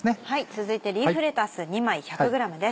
続いてリーフレタス２枚１００ｇです。